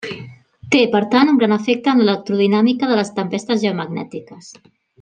Té, per tant, un gran efecte en l'electrodinàmica de les tempestes geomagnètiques.